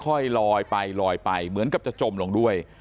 ลอยไปลอยไปเหมือนกับจะจมลงด้วย